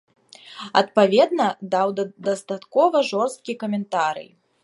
Адпаведна, даў дастаткова жорсткі каментарый.